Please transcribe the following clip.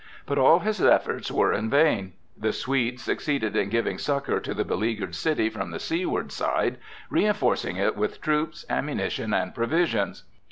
But all his efforts were in vain. The Swedes succeeded in giving succor to the beleaguered city from the seaward side, reinforcing it with troops, ammunition, and provisions.